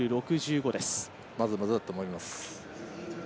まずまずだと思います。